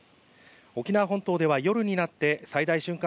沖縄本島では夜になって最大瞬間